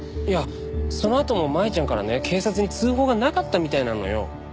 いやそのあとも舞ちゃんからね警察に通報がなかったみたいなのよ。